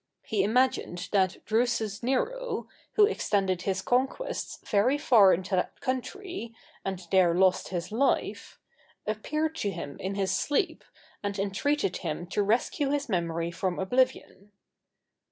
He imagined that Drusus Nero, who extended his conquests very far into that country, and there lost his life, appeared to him in his sleep, and entreated him to rescue his memory from oblivion.